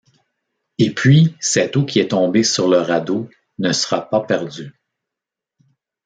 Et puis, cette eau qui est tombée sur le radeau ne sera pas perdue.